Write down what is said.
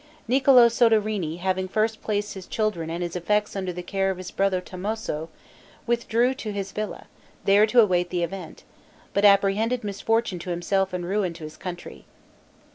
Niccolo Soderini having first placed his children and his effects under the care of his brother Tommaso, withdrew to his villa, there to await the event, but apprehended misfortune to himself and ruin to his country.